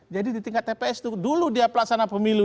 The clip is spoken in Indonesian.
jadi di tingkat tps itu dulu dia pelaksana pemilu